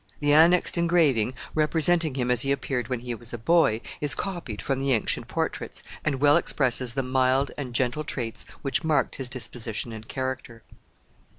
The annexed engraving, representing him as he appeared when he was [Illustration: HENRY VI. IN HIS CHILDHOOD.] a boy, is copied from the ancient portraits, and well expresses the mild and gentle traits which marked his disposition and character.